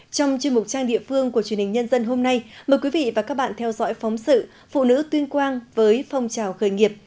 trong chương mục trang địa phương của truyền hình nhân dân hôm nay mời quý vị và các bạn theo dõi phóng sự phụ nữ tuyên quang với phong trào khởi nghiệp